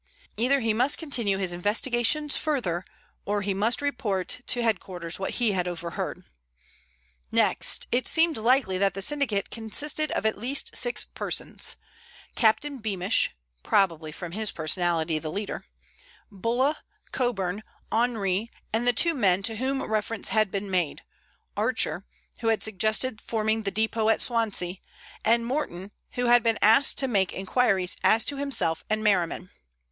Either he must continue his investigations further, or he must report to headquarters what he had overheard. Next, it seemed likely that the syndicate consisted of at least six persons; Captain Beamish (probably from his personality the leader), Bulla, Coburn, Henri, and the two men to whom reference had been made, Archer, who had suggested forming the depot at Swansea, and Morton, who had been asked to make inquiries as to himself and Merriman.